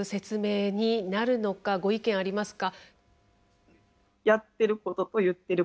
ご意見ありますか？